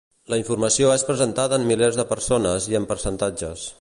La informació és presentada en milers de persones i en percentatges.